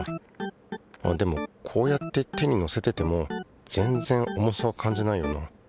あっでもこうやって手にのせてても全然重さを感じないよな。